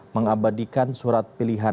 mengabadikan surat pilihan